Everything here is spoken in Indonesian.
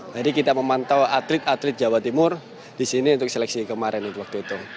kita memantau atlet atlet jawa timur di sini untuk seleksi kemarin waktu itu